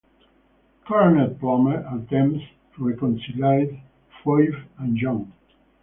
Colonel Plummer attempts to reconcile Phoebe and John.